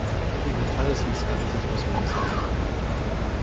Hier wird alles missachtet, was man missachten kann.